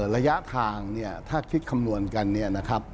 ระยะทางถ้าคิดคำนวณกัน